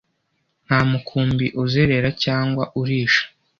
nta mukumbi uzerera cyangwa urisha